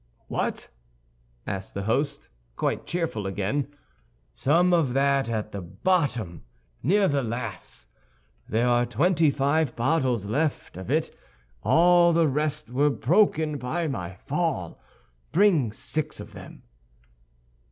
"What?" asked the host, quite cheerful again. "Some of that at the bottom, near the laths. There are twenty five bottles of it left; all the rest were broken by my fall. Bring six of them."